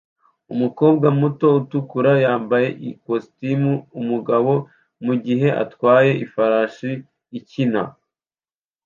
Umukobwa muto utukura yambaye ikositimu-Umugabo mugihe atwaye ifarashi ikina